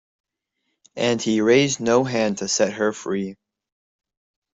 And he raised no hand to set her free.